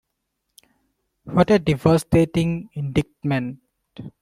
What a devastating indictment.